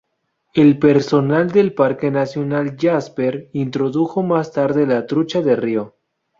El personal del Parque Nacional Jasper introdujo más tarde la trucha de río.